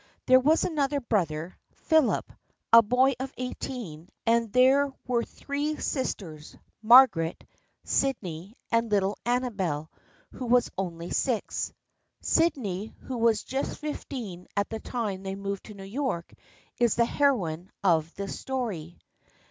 There was another brother, Philip, a boy of eighteen, and there were three sisters, Margaret, THE FRIENDSHIP OF ANNE 11 Sydney and little Amabel who was only six. Sydney who was just fifteen at the time they moved to New York, is the heroine of this story.